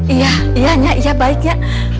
iya ianya ianya baiknya